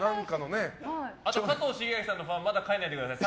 あと加藤シゲアキさんのファンまだ帰らないでください。